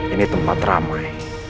ini tempat ramai